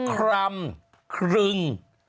คลำครึ่ง